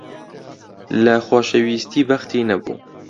لە خۆشەویستی بەختی نەبوو.